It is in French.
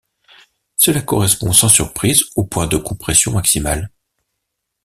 Cela correspond sans surprise au point de compression maximale.